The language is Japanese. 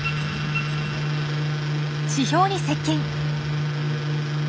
地表に接近。